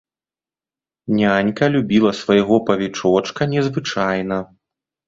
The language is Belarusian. Нянька любіла свайго павічочка незвычайна.